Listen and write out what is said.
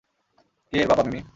কে এর বাবা, মিমি?